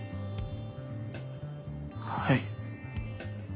はい。